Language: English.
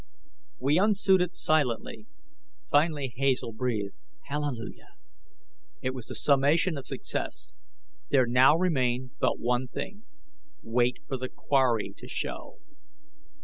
We unsuited silently. Finally, Hazel breathed, "Hallelujah!" It was summation of success. There now remained but one thing: wait for the quarry to show.